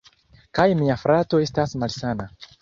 Kaj mia frato estas malsana.